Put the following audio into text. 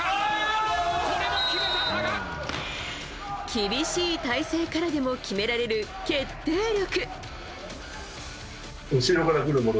厳しい体勢からでも決められる決定力。